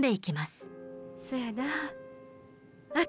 そやなあ。